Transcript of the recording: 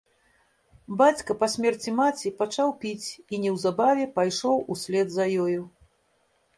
Бацька па смерці маці пачаў піць і неўзабаве пайшоў услед за ёю.